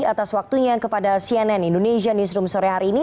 atas waktunya kepada cnn indonesia newsroom sore hari ini